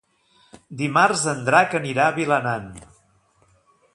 Dimarts en Drac anirà a Vilanant.